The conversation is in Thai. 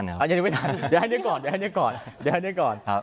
อันนี้ไม่ทันเดี๋ยวให้นึกก่อนเดี๋ยวให้นึกก่อนเดี๋ยวให้นึกก่อน